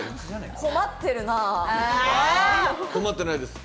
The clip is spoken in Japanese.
困ってないです。